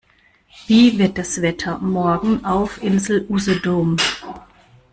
Wie wird das Wetter morgen auf Insel Usedom?